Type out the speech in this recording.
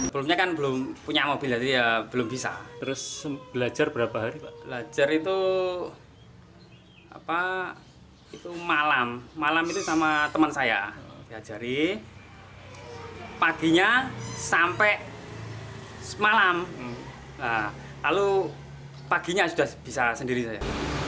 pembebasan lahan kilang minyak pertamina